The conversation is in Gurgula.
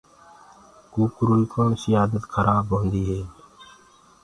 ڪوڪروئي ڪوڻسي آدت خرآب هوندي هي